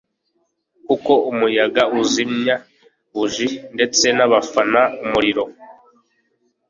kuko umuyaga uzimya buji ndetse nabafana umuriro.”